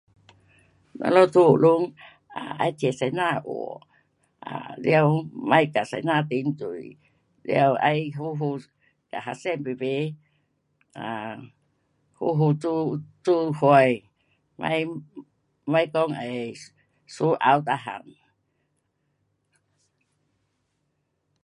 咱们在学堂啊，要听先生的话。啊，完，别跟先生顶嘴，完要好好，跟学生排排啊，好好作伙，别，别讲会相吵每样。